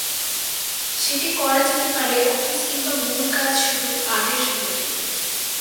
সেটি করা যেতে পারে অফিস কিংবা মূল কাজ শুরুর আগের সময়টিতে।